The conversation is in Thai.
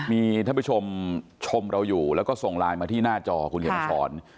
มีท่านผู้ชมชมเราอยู่แล้วก็ส่งไลน์มาที่หน้าจอคุณเขียนมาสอน